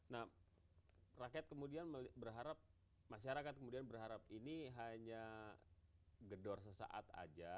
nah rakyat kemudian berharap masyarakat kemudian berharap ini hanya gedor sesaat saja